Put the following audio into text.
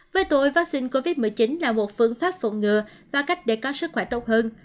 với tội vaccine covid một mươi chín là một phương pháp phòng ngừa và cách để có sức khỏe tốt hơn